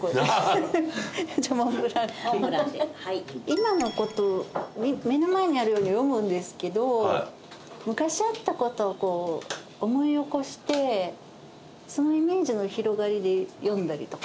今の事を目の前にあるように詠むんですけど昔あった事をこう思い起こしてそのイメージの広がりで詠んだりとか。